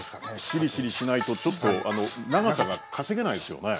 しりしり−しないとちょっと長さが稼げないですよね。